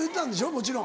もちろん。